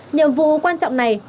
nhiệm vụ quan trọng này